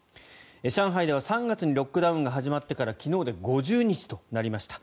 上海では３月にロックダウンが始まってから昨日で５０日となりました。